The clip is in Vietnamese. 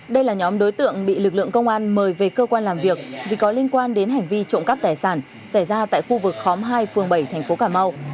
đây là nhóm đối tượng bị lực lượng công an mời về cơ quan làm việc vì có liên quan đến hành vi trộm cắp tài sản xảy ra tại khu vực khóm hai phường bảy thành phố cà mau